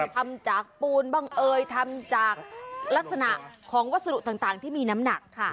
ทำจากปูนบ้างเอ่ยทำจากลักษณะของวัสดุต่างที่มีน้ำหนักค่ะ